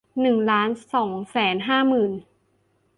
หนึ่งล้านสองแสนห้าหมื่น